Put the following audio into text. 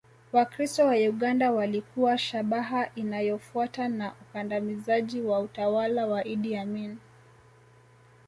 Wakristo wa Uganda walikuwa shabaha inayofuata ya ukandamizaji na utawala wa Idi Amin